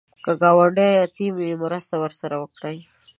که ګاونډی یتیم وي، مرسته ورسره وکړه